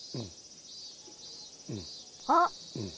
あっ！